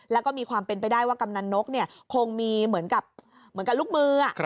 แล้วก็มีความเป็นไปได้ว่ากำนันนกคงมีเหมือนกับลูกมือ